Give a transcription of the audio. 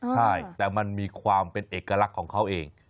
ใช่แต่มันมีความเป็นเอกลักษณ์ของเขาเอง